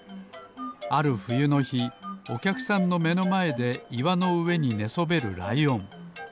あるふゆのひおきゃくさんのめのまえでいわのうえにねそべるライオン。